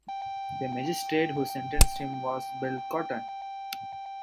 The magistrate who sentenced him was Bill Cotton.